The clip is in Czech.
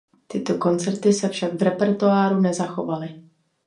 Tyto koncerty se však v repertoáru nezachovaly.